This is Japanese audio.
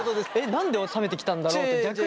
何で冷めてきたんだろうって逆に。